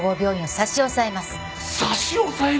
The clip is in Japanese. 差し押さえる！？